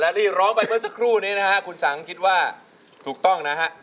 ที่ร้องไปเมื่อสักครู่นี้นะฮะคุณสังคิดว่าถูกต้องนะฮะ